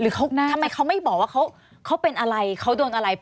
ทำไมเขาไม่บอกว่าเขาเป็นอะไรเขาโดนอะไร